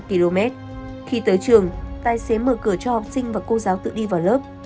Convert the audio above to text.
khi tới trường tài xế mở cửa cho học sinh và cô giáo tự đi vào lớp